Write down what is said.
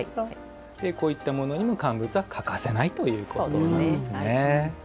こういったものにも乾物は欠かせないということなんですね。